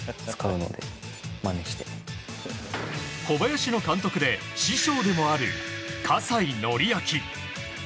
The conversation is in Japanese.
小林の監督で師匠でもある葛西紀明。